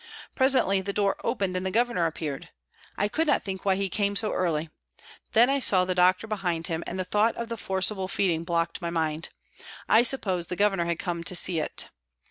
Presently the door opened and the Governor appeared ; I could not think why he came so early. Then I saw the doctor behind him, and the thought of the forcible feeding blocked my mind. I supposed the Governor had come to see it.